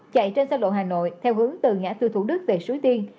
chạy trên sân lộ hà nội theo hướng từ ngã tư thủ đức về suối tiên